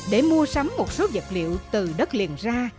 để mua sắm một số vật liệu từ đất liền ra